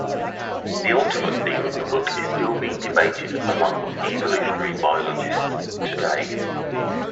The ultimate theme of the book is still being debated among evolutionary biologists today.